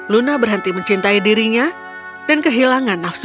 luna berhenti mencintai dirinya dan kehilangan nafsu